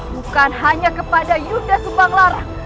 bukan hanya kepada yunda subang lara